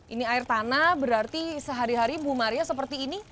ini air tanah berarti sehari hari bu maria seperti ini